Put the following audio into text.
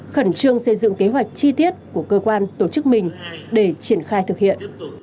khẩn trương xây dựng kế hoạch chi tiết của cơ quan tổ chức mình để triển khai thực hiện